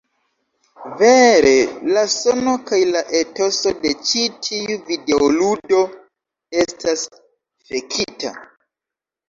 Vere, la sono kaj la etoso de ĉi tiu videoludo estas fekita.